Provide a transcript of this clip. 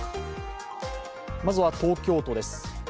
まずは東京都です。